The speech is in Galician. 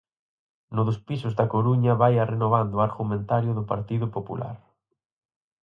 No dos pisos da Coruña vaia renovando o argumentario do Partido Popular.